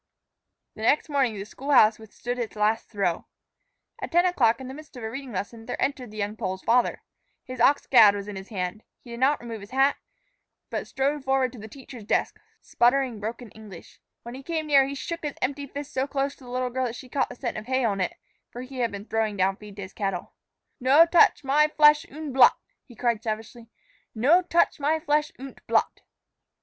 The next morning the school house withstood its last throe. At ten o'clock, in the midst of a reading lesson, there entered the young Pole's father. His ox gad was in his hand; he did not remove his hat, but strode forward to the teacher's desk, sputtering broken English. When he came near, he shook his empty fist so close to the little girl that she caught the scent of hay on it, for he had been throwing down feed to his cattle. "No touch my flesh unt blut," he cried savagely; "no touch my flesh unt blut."